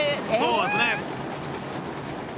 そうですね。